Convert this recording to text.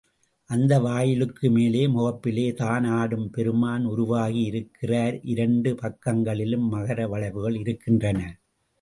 அந்த வாயிலுக்கு மேலே முகப்பிலே தான் ஆடும் பெருமான் உருவாகி இருக்கிறார் இரண்டு பக்கங்களிலும் மகர வளைவுகள் இருக்கின்றன.